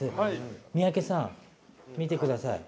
三宅さん、見てください。